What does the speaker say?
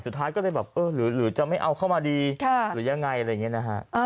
สุดท้ายก็เลยแบบเออหรือจะไม่เอาเข้ามาดีหรือยังไงอะไรอย่างนี้นะฮะ